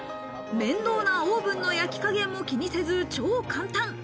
面倒なオーブンの焼き加減も気にせず超簡単！